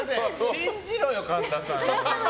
信じろよ神田さんを。